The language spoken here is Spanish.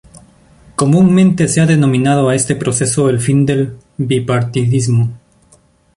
Comúnmente se ha denominado a este proceso el fin del bipartidismo.